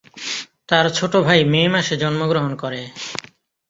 তার ছোট ভাই মে মাসে জন্মগ্রহণ করে।